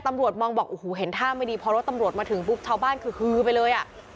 ตำรวจมองบอกโอ้โหเห็นท่าไม่ดีพอรถตำรวจมาถึงปุ๊บชาวบ้านคือฮือไปเลยอ่ะ